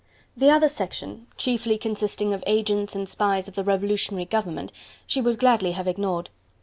The other section chiefly consisting of agents and spies of the Revolutionary Government she would gladly have ignored.